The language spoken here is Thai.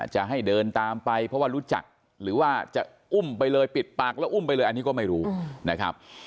จะให้เดินตามไปเพราะว่ารู้จักหรือว่าจะอุ้มไปเลยปิดปากแล้วอุ้มไปเลยอันนี้ก็ไม่รู้นะครับ